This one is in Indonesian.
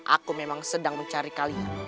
aku memang sedang mencari kalian